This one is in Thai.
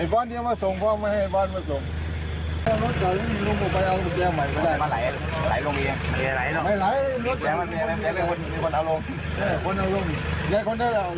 ไอบ๊อนท์ก็มาส่งเพราะไม่ให้ไอบ๊อนท์มาส่ง